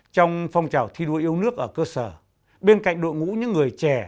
trong phong trào thi đua yêu nước ở cơ sở bên cạnh đội ngũ những người trẻ